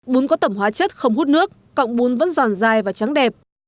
bún có tẩm hóa chất không hút nước cộng bùn vẫn giòn dai và trắng đẹp